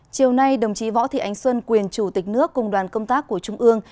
chiều nay đồng chí võ thị ánh xuân quyền chủ tịch nước cùng đoàn công tác của trung ương